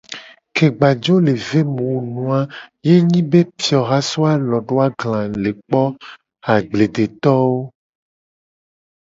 Ke gba jo le ve mu wu nu a ye nyi be fioha jo so alo do agla le kpo agbledetowo.